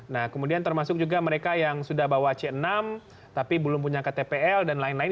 nah kemudian termasuk juga mereka yang sudah bawa c enam tapi belum punya ktpl dan lain lain